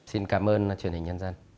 xin cảm ơn truyền hình nhân dân